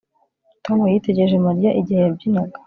Tom yitegereje Mariya igihe yabyinaga